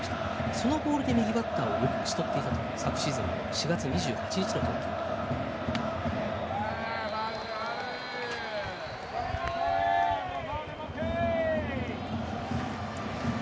そのボールで右バッターをしとめていた昨シーズンの４月２８日の投球です。